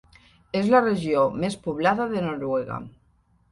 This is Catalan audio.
És la regió més poblada de Noruega.